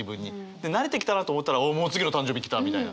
で慣れてきたなと思ったら「もう次の誕生日来た」みたいな。